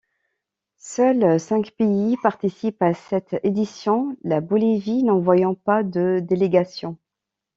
Seuls cinq pays participent à cette édition, la Bolivie n'envoyant pas de délégation.